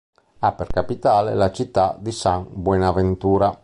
Ha per capitale la città di San Buenaventura.